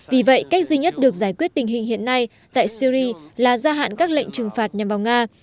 vì vậy cách duy nhất được giải quyết tình hình hiện nay tại syri là gia hạn các lệnh trừng phạt nhằm vào nga